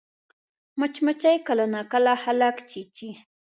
مچمچۍ کله ناکله خلک چیچي